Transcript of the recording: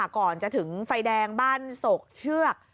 ก่อนจะถึงไฟแดงบ้านโศกเชือก